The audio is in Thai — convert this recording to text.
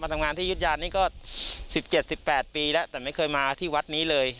ทำงานที่ยุธยานี่ก็๑๗๑๘ปีแล้วแต่ไม่เคยมาที่วัดนี้เลย